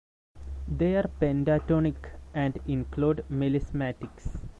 They are pentatonic and include melismatics.